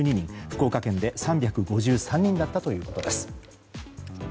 福岡県で３５３人だったということです。